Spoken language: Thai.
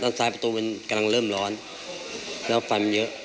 ซ้ายประตูมันกำลังเริ่มร้อนแล้วฟันเยอะ